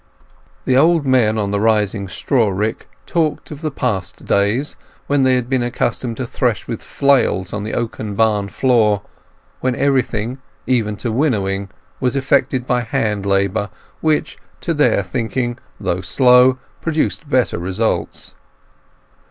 The old men on the rising straw rick talked of the past days when they had been accustomed to thresh with flails on the oaken barn floor; when everything, even to winnowing, was effected by hand labour, which, to their thinking, though slow, produced better results.